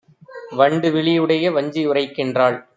வண்டு விழியுடைய வஞ்சி யுரைக்கின்றாள்: